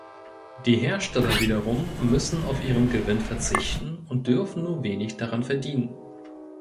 Die Hersteller wiederum müssen auf ihren Gewinn verzichten und dürfen nur wenig daran verdienen.